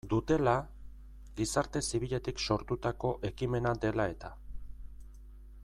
Dutela, gizarte zibiletik sortutako ekimena dela eta.